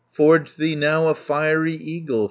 Forge thee now a fiery eagle.